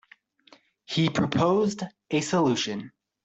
He proposed a solution.